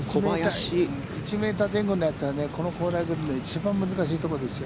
１メートル前後のやつはこの高麗グリーンの一番難しいところですよ。